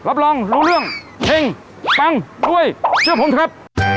รับรองรู้เรื่องเฮงปังรวยเชื่อผมครับ